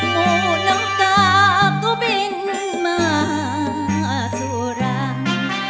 มูลงกากอุบินมะสุรค